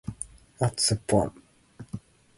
At the bottom, dense fluid flows towards the head.